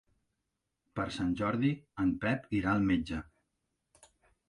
Per Sant Jordi en Pep irà al metge.